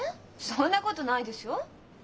そんなことないですよ。